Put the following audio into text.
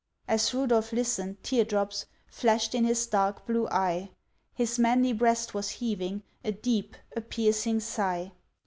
As Rudolph listened, tear drops Flashed in his dark blue eye, His manly breast was heaving A deep, a piercing sigh.